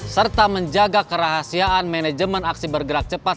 serta menjaga kerahasiaan manajemen aksi bergerak cepat